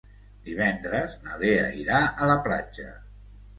Divendres na Lea irà a la platja.